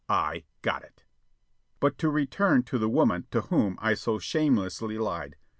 I got it! But to return to the woman to whom I so shamelessly lied.